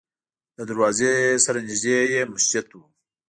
له دروازې سره نږدې یې مسجد و.